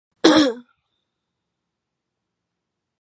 In western Pennsylvania it is referred to as the Purchase line.